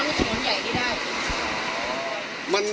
ซอยนี้มันเข้าทุนใหญ่ได้ไหม